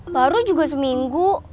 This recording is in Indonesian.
baru juga seminggu